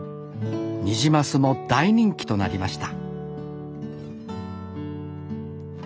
ニジマスも大人気となりました